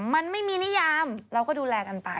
มันไม่มีนิยามเราก็ดูแลกันไป